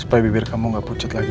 supaya bibir kamu tidak pucat lagi